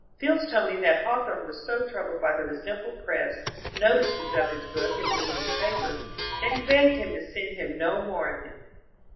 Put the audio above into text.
Fields told me that Hawthorne was so troubled by the resentful press notices of his book in the English papers that he begged him to send him no more of them.